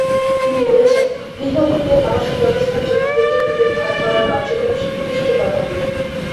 তিনি বলেছেন, গৃহহীনদের আবাসনব্যবস্থার জন্য হোটেল-মোটেল ভাড়া করার কার্যক্রম সংকুচিত করা হবে।